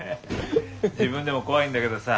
自分でも怖いんだけどさ。